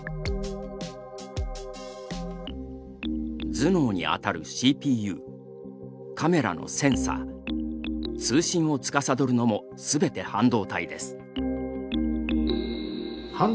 頭脳にあたるＣＰＵカメラのセンサー通信をつかさどるのもすべて半導体です。